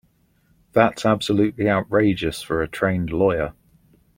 That's absolutely outrageous for a trained lawyer.